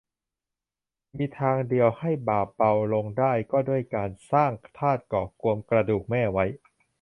มีทางเดียวจะให้บาปเบาลงได้ก็ด้วยการสร้างธาตุก่อกวมกระดูกแม่ไว้